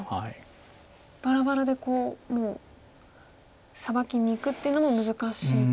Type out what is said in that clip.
バラバラでもうサバキにいくっていうのも難しいところ。